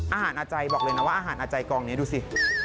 อาจารย์บอกเลยนะว่าอาหารอาจัยกองนี้ดูสิ